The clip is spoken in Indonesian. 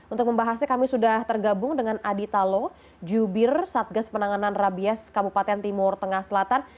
untuk membahasnya kami sudah tergabung dengan adi talo jubir satgas penanganan rabies kabupaten timur tengah selatan